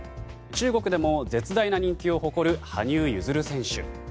中国でも絶大な人気を誇る羽生結弦選手。